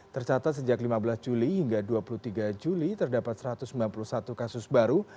tercatat sejak lima belas juli hingga dua puluh tiga juli terdapat satu ratus sembilan puluh satu kasus baru